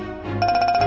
alia gak ada ajak rapat